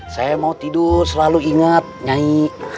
saya mau tidur selalu ingat nyanyi